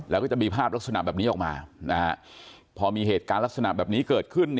ลักษณะแบบนี้ออกมาพอมีเหตุการณ์ลักษณะแบบนี้เกิดขึ้น